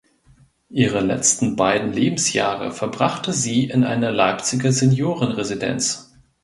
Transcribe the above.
Ihre letzten beiden Lebensjahre verbrachte sie in einer Leipziger Seniorenresidenz.